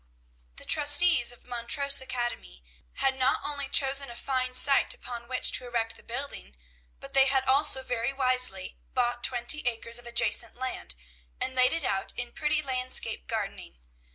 The trustees of Montrose Academy had not only chosen a fine site upon which to erect the building, but they had also very wisely bought twenty acres of adjacent land, and laid it out in pretty landscape gardening.